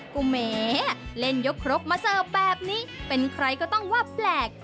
ก็แหมเล่นยกครกมาเสิร์ฟแบบนี้เป็นใครก็ต้องว่าแปลก